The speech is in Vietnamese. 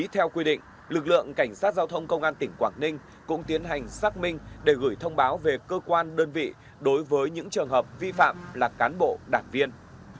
theo quy định lực lượng cảnh sát giao thông công an tỉnh quảng ninh cũng tiến hành xác minh để gửi thông báo về cơ quan đơn vị đối với những trường hợp vi phạm là cán bộ đảng viên